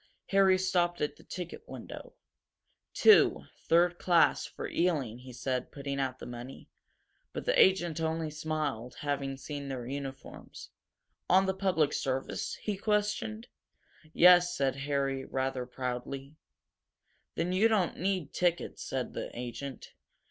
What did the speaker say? Harry stopped at the ticket window. "Two third class for Ealing," he said, putting down the money. But the agent only smiled, having seen their uniforms. "On the public service?" he questioned. "Yes," said Harry, rather proudly. "Then you don't need tickets," said the agent.